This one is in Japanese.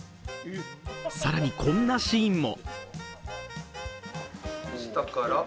更にこんなシーンも。